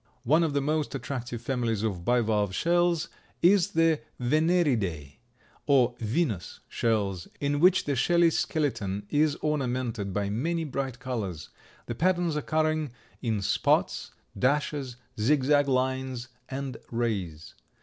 One of the most attractive families of bivalve shells is the Veneridae, or venus shells, in which the shelly skeleton is ornamented by many bright colors, the patterns occurring in spots, dashes, zigzag lines and rays.